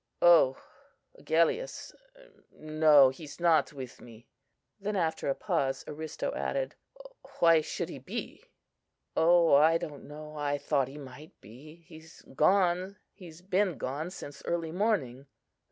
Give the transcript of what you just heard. "Oh! Agellius! No, he's not with me." Then, after a pause, Aristo added, "Why should he be?" "Oh, I don't know. I thought he might be. He's been gone since early morning."